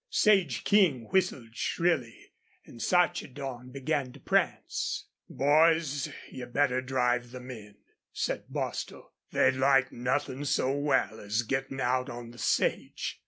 Sage King whistled shrilly and Sarchedon began to prance. "Boys, you'd better drive them in," said Bostil. "They'd like nothin' so well as gettin' out on the sage....